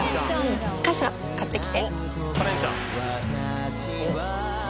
傘買ってきて。